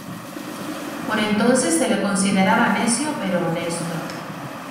Por entonces se le consideraba necio, pero honesto.